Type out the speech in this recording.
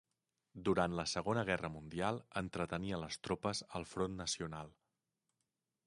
Durant la Segona Guerra Mundial entretenia les tropes al front nacional.